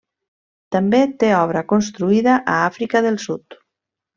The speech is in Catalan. També té obra construïda a Àfrica del Sud.